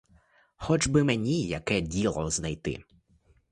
Хоч би мені яке діло знайти.